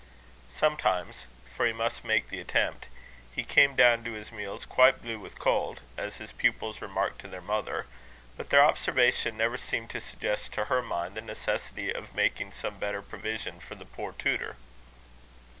Sometimes for he must make the attempt he came down to his meals quite blue with cold, as his pupils remarked to their mother; but their observation never seemed to suggest to her mind the necessity of making some better provision for the poor tutor.